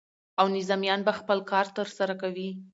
او نظامیان به خپل کار ترسره کوي.